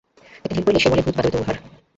একটা ঢিল পড়িলে সে বলে, ভূত বা দৈত উহা ফেলিয়াছে।